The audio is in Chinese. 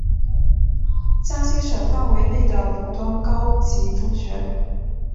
浙江省范围内的普通高级中学。